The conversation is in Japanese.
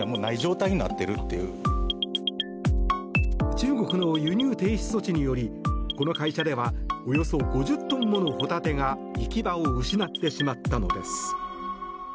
中国の輸入停止措置によりこの会社ではおよそ５０トンものホタテが行き場を失ってしまったのです。